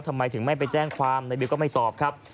ทำไมถึงไม่ไปแจ้งความในบิวก็ไม่ตอบครับ